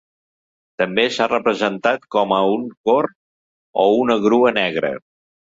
També s'ha representat com a un corb o una grua negra.